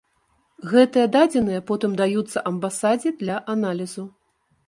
Гэтыя дадзеныя потым даюцца амбасадзе для аналізу.